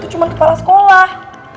itu cuma kepala sekolah